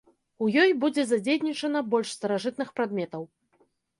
У ёй будзе задзейнічана больш старажытных прадметаў.